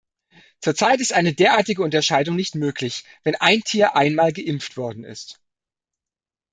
Zurzeit ist eine derartige Unterscheidung nicht möglich, wenn ein Tier einmal geimpft worden ist.